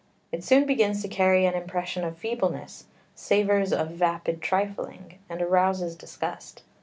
It soon begins to carry an impression of feebleness, savours of vapid trifling, and arouses disgust.